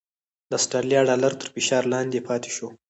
د اسټرالیا ډالر تر فشار لاندې پاتې شو؛